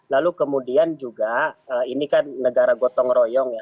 lalu kemudian juga ini kan negara gotong royong ya